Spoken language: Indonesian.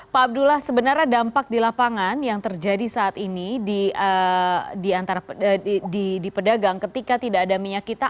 pak abdullah sebenarnya dampak di lapangan yang terjadi saat ini di pedagang ketika tidak ada minyak kita